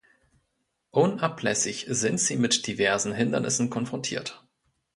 Unablässig sind sie mit diversen Hindernissen konfrontiert.